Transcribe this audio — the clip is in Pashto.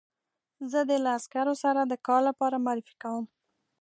زه دې له عسکرو سره د کار لپاره معرفي کوم